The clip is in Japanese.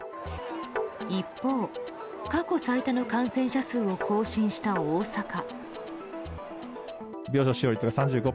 一方、過去最多の感染者数を更新した大阪。